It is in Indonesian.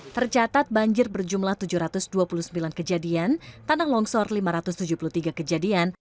tercatat banjir berjumlah tujuh ratus dua puluh sembilan kejadian tanah longsor lima ratus tujuh puluh tiga kejadian